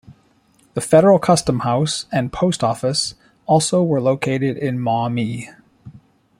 The federal custom house and post office also were located in Maumee.